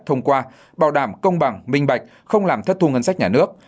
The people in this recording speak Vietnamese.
thông qua bảo đảm công bằng minh bạch không làm thất thu ngân sách nhà nước